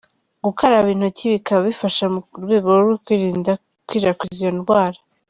Gukaraba intoki bikaba bifasha mu rwego rwo kwirinda gukwirakwiza iyo ndwara.